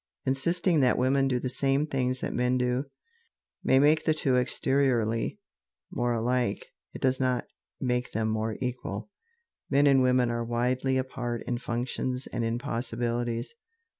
Insisting that women do the same things that men do, may make the two exteriorly more alike it does not make them more equal. Men and women are widely apart in functions and in possibilities.